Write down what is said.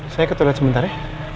saya ke toilet sementara ya